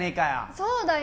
そうだよ